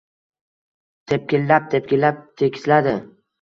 Tepkilab-tepkilab tekisladi.